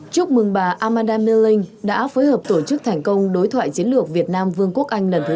chúc mừng bà amanda milling đã phối hợp tổ chức thành công đối thoại chiến lược việt nam vương quốc anh lần thứ tám